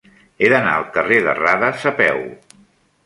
He d'anar al carrer de Radas a peu.